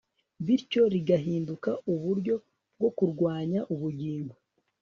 bityo rigahinduka uburyo bwo kurwanya ubugingo …